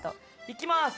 いきます。